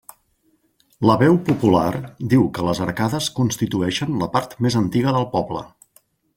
La veu popular diu que les arcades constitueixen la part més antiga del poble.